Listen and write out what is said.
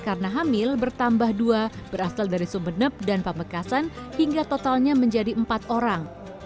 karena hamil bertambah dua berasal dari sumbenep dan pamekasan hingga totalnya menjadi empat orang